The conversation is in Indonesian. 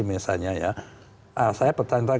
misalnya ya saya bertanya